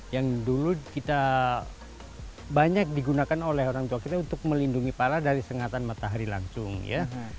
yang dulu kita banyak digunakan oleh orang tua kita untuk melindungi para dari sengatan matahari langsung ya